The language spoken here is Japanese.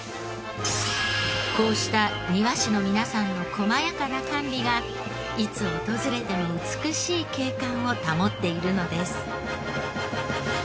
こうした庭師の皆さんの細やかな管理がいつ訪れても美しい景観を保っているのです。